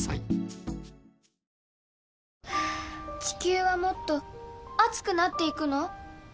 地球はもっと熱くなっていくの？